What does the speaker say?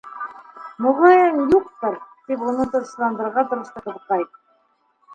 —Моғайын, юҡтыр, —тип уны тынысландырырға тырышты ҡыҙыҡай.